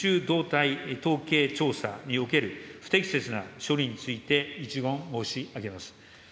動態統計調査における、不適切な処理について、一言申し上げます。